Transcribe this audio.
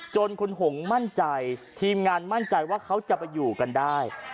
จนคุณหงมั่นใจทีมงานมั่นใจว่าเขาจะไปอยู่กันได้